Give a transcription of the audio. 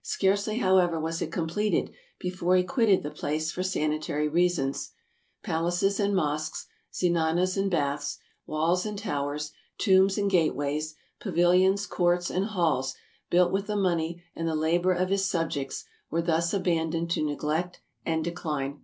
Scarcely, however, was it completed before he quitted the place for sanitary reasons. Palaces and mosques, zenanas and baths, walls and towers, tombs and gate ways, pavilions, courts, and halls, built with the money and the labor of his subjects, were thus abandoned to neglect and decline.